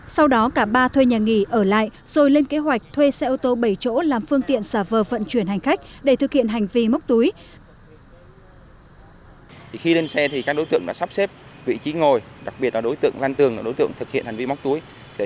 sau đó cả ba thuê nhà nghỉ ở lại rồi lên kế hoạch thuê xe ô tô bảy chỗ làm phương tiện xả vờ vận chuyển hành khách để thực hiện hành vi móc túi